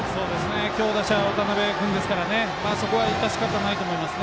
強打者、渡邉君ですからねそこは致し方ないと思います。